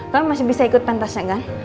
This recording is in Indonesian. kamu masih bisa ikut pentasnya kan